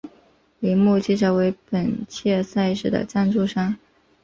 铃木汽车为本届赛事的赞助商。